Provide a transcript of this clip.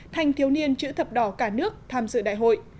thanh thiếu niên chữ thập đỏ cả nước tham dự đại hội